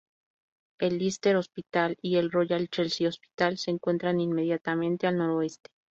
El Lister Hospital y el Royal Chelsea Hospital se encuentran inmediatamente al noroeste.